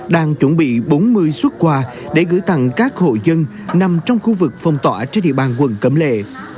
đang chuẩn bị bốn mươi xuất quà để gửi tặng các hộ dân nằm trong khu vực phong tỏa trên địa bàn quận cẩm lệ